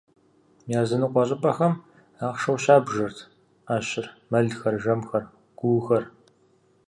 Языныкъуэ щӏыпӏэхэм ахъшэу щабжырт ӏэщыр: мэлхэр, жэмхэр, гуухэр.